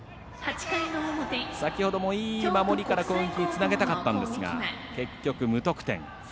先ほどもいい守りから攻撃につなげたかったんですが結局、無得点。